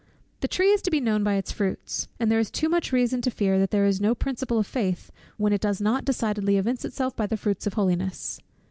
The tree is to be known by its fruits; and there is too much reason to fear that there is no principle of faith, when it does not decidedly evince itself by the fruits of holiness.